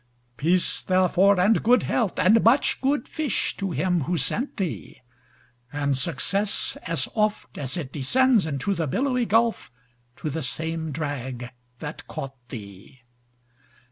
Peace, therefore, and good health, and much good fish, To him who sent thee! and success, as oft As it descends into the billowy gulf, To the same drag that caught thee!